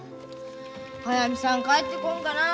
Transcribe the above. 速水さん帰ってこんかなあ。